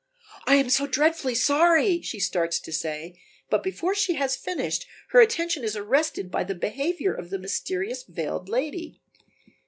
"I am so dreadfully sorry," she starts to say, but before she has finished, her attention is arrested by the behavior of the mysterious veiled lady.